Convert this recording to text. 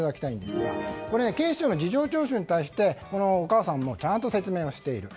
警視庁の事情聴取に対してこのお母さんもちゃんと説明している。